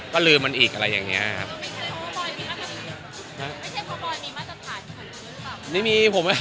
ก็ลืมอันอีกอะไรแบบที่นี้